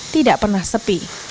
tidak pernah sepi